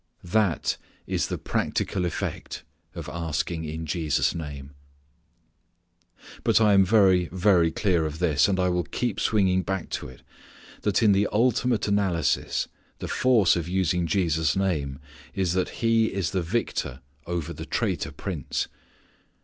That is the practical effect of asking in Jesus' name. But I am very, very clear of this, and I keep swinging back to it that in the ultimate analysis the force of using Jesus' name is that He is the victor over the traitor prince.